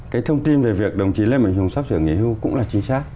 cái thông tin về việc đồng chí lê mạnh hùng sắp sửa nghỉ hưu cũng là chính xác